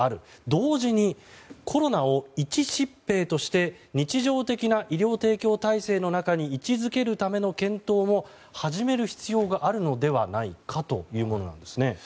同時に、コロナを一疾病として日常的な医療提供体制の中に位置づけるための検討も始める必要があるのではないかというものですね。